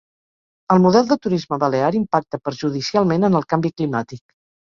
El model de turisme balear impacta perjudicialment en el canvi climàtic